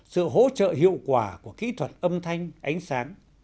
sự hỗ trợ hiệu quả của kỹ thuật âm thanh ánh sáng